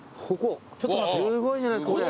すごいじゃないですかこれ。